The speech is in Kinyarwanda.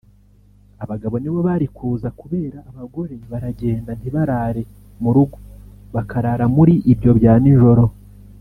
abagabo nibo bari kuza kubera abagore baragenda ntibarare mu rugo bakarara muri ibyo bya nijoro